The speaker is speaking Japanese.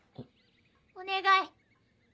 お願い。